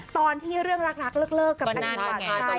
ตอนที่เรื่องรักเลิกกับแม่งยังไง